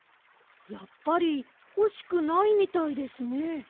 やっぱりほしくないみたいですね。